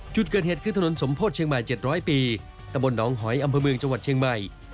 จุดเกิดเหตุคือถนนสมโพธิเชียงใหม่๗๐๐ปีตะบลหนองหอยอำเภอเมืองจังหวัดเชียงใหม่